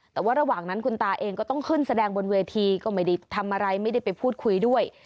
แต่ว่าระหว่างนั้นคุณตาเองก็ต้องขึ้นแสดงบนเวทีก็ไม่ได้ทำอะไรไม่ได้ไปพูดคุยด้วย